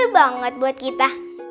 banget buat kita